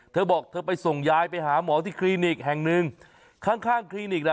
เธอบอกเธอไปส่งยายไปหาหมอที่คลินิกแห่งหนึ่งข้างข้างคลินิกน่ะ